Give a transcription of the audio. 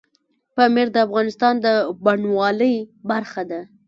پامیر د افغانستان د بڼوالۍ برخه ده.